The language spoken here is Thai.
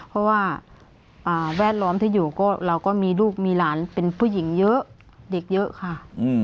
เพราะว่าแวดล้อมที่อยู่ก็เราก็มีลูกมีหลานเป็นผู้หญิงเยอะเด็กเยอะค่ะ